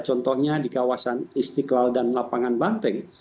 contohnya di kawasan istiqlal dan lapangan banteng